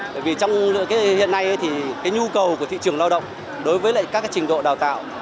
bởi vì trong hiện nay thì nhu cầu của thị trường lao động đối với các trình độ đào tạo